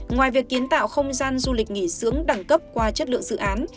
ngoài việc kiến tạo không gian du lịch nghỉ dưỡng đẳng cấp qua chất lượng dự án